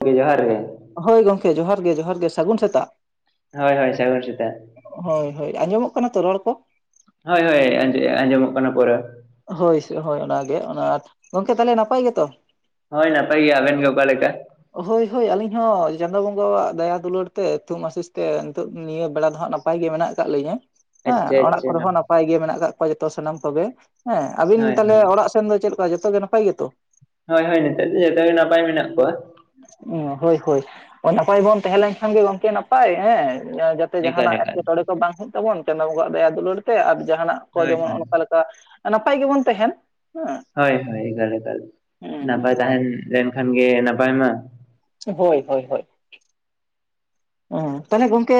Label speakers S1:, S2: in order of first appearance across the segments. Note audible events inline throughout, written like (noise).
S1: ᱠᱮ ᱡᱚᱦᱟᱨ ᱜᱮ᱾
S2: ᱦᱳᱭ ᱜᱚᱝᱠᱮ ᱡᱚᱦᱟᱨ ᱜᱮ ᱡᱚᱦᱟᱨ ᱜᱮ, ᱥᱟᱹᱜᱩᱱ ᱥᱮᱛᱟᱜ᱾
S1: ᱦᱳᱭ ᱦᱳᱭ ᱥᱟᱜᱩᱱ ᱥᱤᱛᱟᱜ᱾
S2: ᱦᱳᱭ ᱦᱳᱭ, ᱟᱸᱡᱚᱢᱚᱜ ᱠᱟᱱᱟ ᱛᱚ ᱨᱚᱲ ᱠᱚ?
S1: ᱦᱳᱭ ᱦᱳᱭ ᱟᱸᱡᱚ ᱟᱸᱡᱚᱢᱚᱜ ᱠᱟᱱᱟ ᱯᱩᱨᱟᱹ᱾
S2: ᱦᱳᱭ ᱥᱮ ᱦᱳᱭ ᱚᱱᱟ ᱜᱮ ᱚᱱᱟ ᱟᱴ, ᱜᱚᱝᱠᱮ ᱛᱟᱦᱚᱞᱮ ᱱᱟᱯᱟᱭ ᱜᱮᱛᱚ?
S1: ᱦᱳᱭ ᱱᱟᱯᱟᱭ ᱜᱮᱭᱟ᱾ ᱟᱵᱮᱱ ᱜᱮ‌ ᱚᱠᱟ ᱞᱮᱠᱟ?
S2: ᱦᱳᱭ ᱦᱳᱭ ᱟᱹᱞᱤᱧ ᱦᱚᱸ ᱪᱟᱸᱫᱚ ᱵᱚᱸᱜᱟᱣᱟᱜ ᱫᱟᱭᱟ ᱫᱩᱞᱟᱹᱲ ᱛᱮ, ᱛᱷᱩᱢ ᱟᱥᱤᱥ ᱛᱮ ᱱᱤᱛᱚᱜ ᱱᱤᱭᱟᱹ ᱵᱮᱲᱟ ᱫᱚ ᱦᱟᱸᱜ ᱱᱟ ᱯᱟᱭ ᱜᱮ ᱢᱮᱱᱟᱜ ᱠᱟᱜ ᱞᱤᱧᱟᱹ᱾ ᱦᱮᱸ
S1: ᱟᱪᱪᱷᱟ
S2: ᱚᱲᱟᱜ ᱠᱚᱨᱮ
S1: ᱟᱪᱪᱷᱟ
S2: ᱦᱚᱸ ᱱᱟᱯᱟᱭ ᱜᱮ ᱢᱮᱱᱟᱜ ᱠᱟᱜ ᱠᱚᱣᱟ ᱡᱚᱛᱚ ᱥᱟᱱᱟᱢ ᱠᱚᱜᱮ ᱦᱮᱸ᱾ ᱟᱵᱤᱱ
S1: ᱦᱳᱭ
S2: ᱛᱟᱦᱚᱞᱮ
S1: ᱦᱳᱭ
S2: ᱚᱲᱟᱜ ᱥᱮᱱ ᱫᱚ ᱪᱮᱫ ᱞᱮᱠᱟ ᱡᱚᱛᱚ ᱜᱮ ᱱᱟᱯᱟᱭ ᱜᱮᱛᱚ?
S1: ᱦᱳᱭ ᱦᱳᱭ ᱱᱮᱛᱟᱨ ᱫᱚ ᱡᱚᱛᱚ ᱜᱮ ᱱᱟᱯᱟᱭ ᱢᱮᱱᱟᱜ ᱠᱚᱣᱟ᱾
S2: (unintelligible) ᱦᱳᱭ ᱦᱳᱭ ᱱᱟᱯᱟᱭ ᱵᱚᱱ ᱛᱟᱦᱮᱸ ᱞᱮᱱ ᱠᱷᱟᱱ ᱜᱮ ᱜᱚᱝᱠᱮ ᱱᱟᱯᱟᱭ ᱦᱮᱸ (unintelligible)
S1: ᱮᱠᱟᱞ
S2: ᱡᱟᱦᱟᱱᱟᱜ
S1: ᱮᱠᱟᱞ
S2: ᱮᱴᱠᱮᱴᱚᱬᱮ
S1: ᱮᱠᱟᱞ
S2: ᱠᱚ ᱵᱟᱝ ᱦᱩᱭᱩᱜ ᱛᱟᱵᱚᱱ ᱪᱟᱸᱫᱚ ᱵᱚᱸᱜᱟᱣᱟᱜ ᱫᱟᱭᱟ ᱫᱩᱞᱟᱹᱲ ᱛᱮ ᱟᱨ ᱡᱟᱦᱟᱱᱟᱜ ᱠᱚ
S1: ᱦᱳᱭ
S2: ᱡᱮᱢᱚᱱ
S1: ᱦᱳᱭ
S2: ᱚᱱᱠᱟ ᱞᱮ- -ᱠᱟ ᱱᱟᱯᱟᱭ ᱜᱮᱵᱚᱱ ᱛᱟᱦᱮᱱ᱾ ᱦᱮᱸ
S1: ᱦᱳᱭ ᱦᱳᱭ ᱮᱠᱟᱞ ᱮᱠᱟᱞ
S2: ᱦᱩᱸ ᱦᱩᱸ
S1: ᱱᱟᱯᱟᱭ ᱛᱟᱦᱮᱸ ᱞᱮᱱ ᱠᱷᱟᱱ ᱜᱮ ᱱᱟᱯᱟᱭ ᱢᱟ᱾
S2: ᱦᱳᱭ ᱦᱳᱭ ᱦᱳᱭ᱾ ᱚ ᱛᱟᱦᱚᱞᱮ ᱜᱚᱝᱠᱮ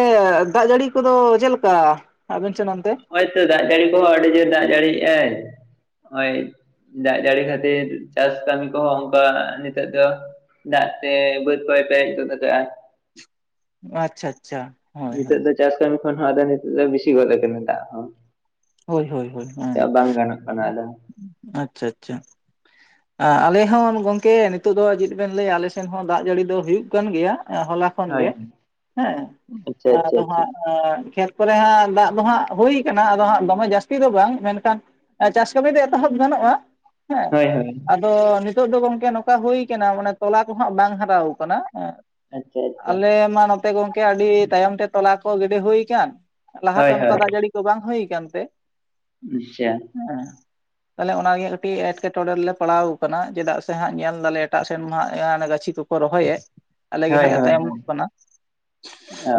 S2: ᱫᱟᱜ ᱡᱟᱹᱲᱤ ᱠᱚ ᱫᱚ ᱪᱮᱫ ᱞᱮᱠᱟ ᱟᱵᱮᱱ ᱥᱮᱱ ᱚᱱᱛᱮ?
S1: ᱦᱳᱭᱛᱚ ᱫᱟᱜ ᱡᱟᱹᱲᱤ ᱠᱚ ᱦᱚᱸ ᱟᱹᱰᱤ ᱡᱳᱨ ᱫᱟᱜ ᱡᱟᱹᱲᱤᱭᱮᱜᱼᱟᱭ ᱦᱳᱭᱼᱼ ᱫᱟᱜ ᱡᱟᱹᱲᱤ ᱠᱷᱟᱹᱛᱤᱨ ᱪᱟᱥ ᱠᱟᱹᱢᱤ ᱠᱚ ᱦᱚᱸ ᱚᱱᱠᱟ ᱱᱤᱛᱚᱜ ᱫᱚ ᱫᱟᱜ ᱛᱮ ᱵᱟᱹᱫ ᱠᱚᱭ ᱯᱮᱨᱮᱡ ᱜᱚᱫ ᱟᱠᱟᱜᱼᱟ᱾
S2: ᱟᱪᱪᱷᱟ ᱟᱪᱪᱷᱟ ᱦᱳᱭ
S1: ᱱᱤᱛᱚᱜ
S2: ᱦᱳᱭ᱾
S1: ᱫᱚ ᱪᱟᱥ ᱠᱟᱹᱢᱤ ᱠᱷᱚᱱ ᱦᱚᱸ ᱟᱫᱚ ᱱᱤᱛᱚᱜ ᱫᱚ ᱵᱤᱥᱤ ᱜᱚᱫ ᱟᱠᱟᱱᱟ ᱫᱟᱜ ᱦᱚᱸ᱾
S2: ᱦᱳᱭ ᱦᱳᱭ ᱦᱳᱭ
S1: ᱠᱟ
S2: ᱦᱮᱸ
S1: ᱵᱟᱝ ᱜᱟᱱᱚᱜ ᱠᱟᱱᱟ ᱟᱫᱚ
S2: ᱟᱪᱪᱷᱟ ᱟᱪᱪᱷᱟ᱾ ᱟᱞᱮ ᱦᱚᱸ ᱜᱚᱝᱠᱮ ᱱᱤᱛᱳᱜ ᱫᱚ ᱪᱮᱫ ᱵᱮᱱ ᱞᱟᱹᱭᱟ ᱟᱞᱮ ᱥᱮᱱ ᱦᱚᱸ ᱫᱟᱜ ᱡᱟᱹᱲᱤ ᱫᱚ ᱦᱩᱭᱩᱜ ᱠᱟᱱ ᱜᱮᱭᱟ ᱦᱚᱞᱟ ᱠᱷᱚᱱ
S1: ᱦᱳᱭ
S2: ᱜᱮ
S1: ᱦᱳᱭ
S2: ᱦᱮᱸ
S1: ᱟᱪᱪᱷᱟ ᱟᱪᱪᱷᱟ
S2: ᱟᱫᱚ
S1: ᱟᱪᱪᱷᱟ
S2: ᱦᱟᱸᱜ ᱦᱮᱸ ᱠᱷᱮᱛ ᱠᱚᱨᱮ ᱦᱟᱸᱜ ᱫᱟᱜ ᱫᱚ ᱦᱟᱸᱜ ᱦᱩᱭ ᱠᱟᱱᱟ ᱟᱫᱚ ᱦᱟᱸᱜ ᱫᱚ- (unintelligible) ᱡᱟᱹᱥᱛᱤ ᱫᱚ ᱵᱟᱝ ᱢᱮᱱᱠᱷᱟᱱ ᱪᱟᱥ ᱠᱟᱹᱢᱤ ᱫᱚ ᱮᱛᱚᱦᱚᱵ ᱜᱟᱱᱚᱜᱼᱟ ᱦᱮᱸ
S1: ᱦᱳᱭ ᱦᱳᱭ᱾
S2: ᱟᱫᱚ ᱱᱤᱛᱚᱜ ᱫᱚ ᱜᱚᱝᱠᱮ ᱱᱚᱝᱠᱟ ᱦᱩᱭ ᱠᱟᱱᱟ ᱢᱟᱱᱮ ᱛᱚᱞᱟ ᱠᱚ ᱦᱟᱸᱜ ᱵᱟᱝ ᱦᱟᱨᱟᱣ ᱟᱠᱟᱱᱟ ᱦᱮᱸ
S1: ᱟᱪᱪᱷᱟ ᱟᱪᱪᱷᱟ
S2: ᱟᱞᱮ ᱢᱟ ᱱᱚᱛᱮ ᱜᱚᱝᱠᱮ ᱟᱹᱰᱤ ᱛᱟᱭᱚᱢ ᱛᱮ ᱛᱚᱞᱟ ᱠᱚ ᱜᱤᱰᱤ ᱦᱩᱭ ᱟᱠᱟᱱ᱾ ᱞᱟᱦᱟ ᱛᱮ
S1: ᱦᱳᱭ
S2: ᱚᱱᱠᱟ
S1: ᱦᱳᱭ
S2: ᱫᱟᱜ ᱡᱟᱹᱲᱤ ᱠᱚ ᱵᱟᱝ ᱦᱩᱭ ᱟᱠᱟᱱ ᱛᱮ᱾
S1: ᱟᱪᱪᱷᱟ
S2: (unintelligible) ᱛᱟᱦᱚᱞᱮ ᱚᱱᱟ ᱱᱤᱭᱟᱹ ᱠᱟᱹᱴᱤᱡ ᱮᱴᱠᱮᱴᱚᱬᱮ ᱨᱮᱞᱮ ᱯᱟᱲᱟᱣ ᱟᱠᱟᱱᱟ ᱪᱮᱫᱟᱜ ᱥᱮ ᱦᱟᱸᱜ ᱧᱮᱞ ᱫᱟᱞᱮ ᱮᱴᱟᱜ ᱥᱮᱱ ᱢᱟ ᱦᱟᱜ ᱦᱟᱱᱮ ᱜᱟᱹᱪᱷᱤ (unintelligible) ᱠᱚ ᱨᱚᱦᱚᱭ ᱮᱫ᱾ ᱟᱞᱮ ᱜᱮ
S1: ᱦᱳᱭ
S2: ᱦᱟᱸᱜ ᱞᱮ
S1: ᱦᱳᱭ ᱦᱳᱭ
S2: ᱛᱟᱭᱚᱢᱚᱜ ᱠᱟᱱᱟ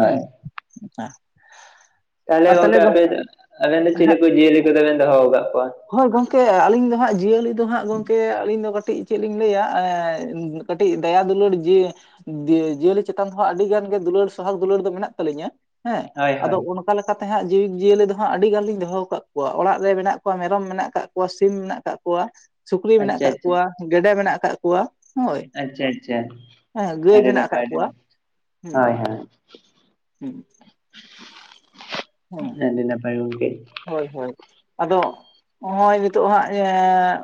S2: ᱦᱩᱸ (unintelligible)
S1: ᱛᱟᱦᱚᱞᱮ ᱜᱚᱝᱠᱮ ᱟᱯᱮᱱ ᱟᱵᱮᱱ ᱫᱚ ᱪᱤᱞᱤ ᱠᱚ ᱡᱤᱭᱟᱹᱞᱤ ᱠᱚᱫᱚ ᱵᱮᱱ ᱫᱚᱦᱚ ᱟᱠᱟᱫ ᱠᱚᱣᱟ?
S2: ᱦᱳᱭ ᱜᱚᱝᱠᱮ ᱟᱞᱤᱧ ᱫᱚ ᱦᱟᱸᱜ ᱡᱤᱭᱟᱹᱞᱤ ᱫᱚ ᱦᱟᱸᱜ ᱜᱚᱢᱠᱮ ᱟᱹᱞᱤᱧ ᱫᱚ ᱠᱟᱹᱴᱤᱡ ᱪᱮᱫ ᱞᱤᱧ ᱞᱟᱹᱭᱟ (unintelligible) ᱠᱟᱹᱴᱤᱡ ᱫᱟᱭᱟ ᱫᱩᱞᱟᱹᱲ ᱡᱤᱼᱼ (unintelligible) ᱡᱤᱭᱟᱹᱞᱤ ᱪᱮᱛᱟᱱ (unintelligible) ᱦᱟᱸᱜ ᱟᱹᱰᱤ ᱜᱟᱱ ᱜᱮ ᱫᱩᱞᱟᱹᱲ ᱥᱟᱦᱟᱜ ᱫᱩᱞᱟᱹᱲ ᱫᱚ ᱢᱮᱱᱟᱜ ᱛᱟᱹᱞᱤᱧᱟ᱾ ᱦᱮᱸ
S1: ᱦᱳᱭ
S2: ᱟᱫᱚ
S1: ᱦᱳᱭ
S2: ᱚᱱᱠᱟ ᱞᱮᱠᱟ ᱛᱮ ᱦᱟᱸᱜ ᱡᱤᱵ ᱡᱤᱭᱟᱹᱞᱤ ᱫᱚ ᱦᱟᱸᱜ ᱟᱹᱼᱼ -ᱰᱤ ᱜᱟᱱ ᱞᱤᱧ ᱫᱚᱦᱚ ᱟᱠᱟᱫ ᱠᱚᱣᱟ ᱚᱲᱟᱜ ᱨᱮ ᱢᱮᱱᱟᱜ ᱠᱚᱣᱟ ᱢᱮᱨᱚᱢ ᱢᱮᱱᱟᱜ ᱟᱠᱟᱜ ᱠᱚᱣᱟ ᱥᱤᱢ ᱢᱮᱱᱟᱜ ᱟᱠᱟᱫ ᱠᱚᱣᱟ᱾ ᱥᱩᱠᱨᱤ ᱢᱮᱱᱟᱜ
S1: ᱟᱪᱪᱷᱟ
S2: ᱟᱠᱟᱫ
S1: ᱟᱪᱪᱷᱟ
S2: ᱠᱚᱣᱟ ᱜᱮᱰᱮ ᱢᱮᱱᱟᱜ ᱟᱠᱟᱫ ᱠᱚᱣᱟ᱾ ᱦᱳᱭ
S1: ᱟᱪᱪᱷᱟ ᱟᱪᱪᱷᱟ
S2: ᱦᱮᱸ ᱜᱟᱹᱭ
S1: ᱟᱹᱰᱤ
S2: ᱢᱮᱱᱟᱜ ᱟᱠᱟᱫ
S1: ᱱᱟᱯᱟᱭ
S2: ᱠᱚᱣᱟ ᱦᱩᱸ
S1: ᱦᱳᱭ ᱦᱳᱭ᱾
S2: (unintelligible) ᱦᱩᱸ
S1: ᱟᱹᱰᱤ ᱱᱟᱯᱟᱭ ᱜᱚᱢᱠᱮ,
S2: ᱦᱳᱭ ᱦᱳᱭ ᱟᱫᱚ ᱦᱚᱸᱜᱼᱚᱭ ᱱᱤᱛᱚᱜ ᱦᱟᱸᱜ ᱮᱸᱻ